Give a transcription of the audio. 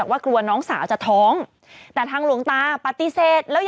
เมื่อ